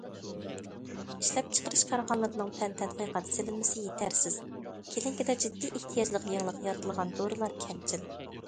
ئىشلەپچىقىرىش كارخانىلىرىنىڭ پەن تەتقىقات سېلىنمىسى يېتەرسىز، كىلىنىكىدا جىددىي ئېھتىياجلىق يېڭىلىق يارىتىلغان دورىلار كەمچىل.